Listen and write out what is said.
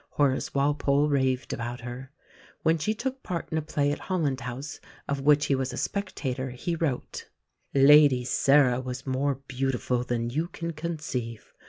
Horace Walpole raved about her. When she took part in a play at Holland House, of which he was a spectator, he wrote: "Lady Sarah was more beautiful than you can conceive....